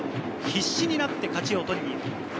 必死になって勝ちを取りにいく。